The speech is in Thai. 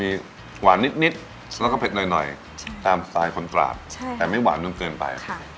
มีหวานนิดแล้วก็เผ็ดหน่อยตามสไตล์คนตราบแต่ไม่หวานจนเกินไป